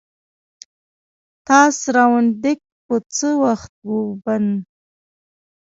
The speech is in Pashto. تاس روانیدتک به څه وخت وین